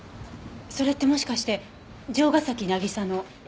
それってもしかして城ヶ崎渚の？